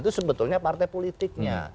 itu sebetulnya partai politiknya